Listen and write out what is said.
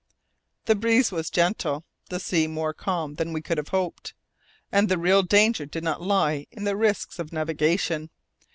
The breeze was gentle, the sea more calm than we could have hoped, and the real danger did not lie in the risks of navigation.